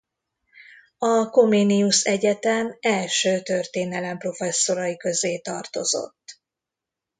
A Comenius Egyetem első történelem professzorai közé tartozott.